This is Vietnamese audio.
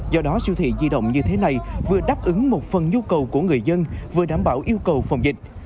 do đó siêu thị di động như thế này vừa đáp ứng một phần nhu cầu của người dân vừa đảm bảo yêu cầu phòng dịch